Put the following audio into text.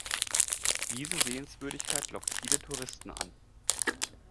Diese Sehenswürdigkeit lockt viele Touristen an.